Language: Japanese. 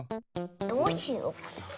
どうしようかな。